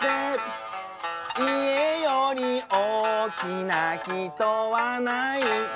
「いえよりおおきなひとはない」